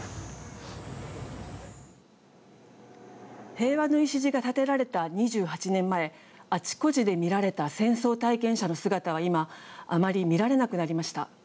平和の礎が建てられた２８年前あちこちで見られた戦争体験者の姿は今あまり見られなくなりました。